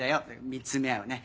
見つめ合うね